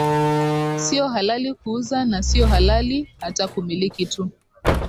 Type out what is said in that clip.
sio halali kuuza na sio halali hata kumiliki tu